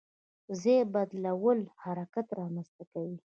ځای بدلول حرکت رامنځته کوي.